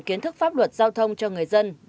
kiến thức pháp luật giao thông cho người dân